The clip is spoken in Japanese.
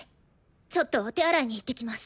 ちょっとお手洗いに行ってきます。